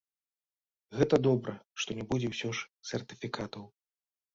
Гэта добра, што не будзе ўсё ж сертыфікатаў.